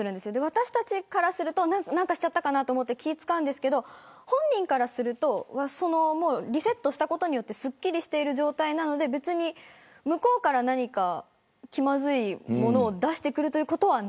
私たちからすると何かしちゃったのかなと思って気を遣うんですけど本人からするとリセットしてすっきりしている状態なので向こうから、気まずいものを出してくるということはない。